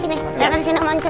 sini rekan sini mama